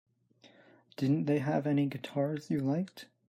Didn't they have any guitars you liked?